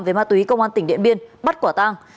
về ma túy công an tỉnh điện biên bắt quả tang